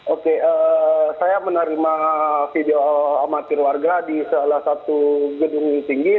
oke saya menerima video amatir warga di salah satu gedung tinggi